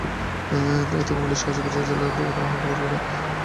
এতে কুমিল্লাসহ আশপাশের জেলায় দুর্ঘটনায় আহত রোগীরা যথাযথ সেবা থেকে বঞ্চিত হচ্ছে।